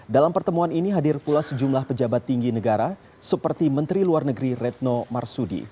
dalam pertemuan ini hadir pula sejumlah pejabat tinggi negara seperti menteri luar negeri retno marsudi